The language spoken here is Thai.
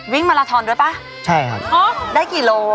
วิ่งมาลาทอนด้วยป่ะได้กี่โลใช่ครับ